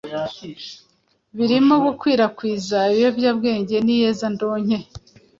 birimo gukwirakwiza ibiyobyabwenge n'iyezandonke.